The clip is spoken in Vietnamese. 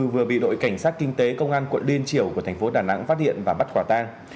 vừa bị đội cảnh sát kinh tế công an quận liên triều của thành phố đà nẵng phát hiện và bắt quả tang